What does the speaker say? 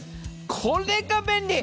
これが便利！